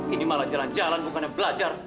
ini malah jalan jalan bukannya belajar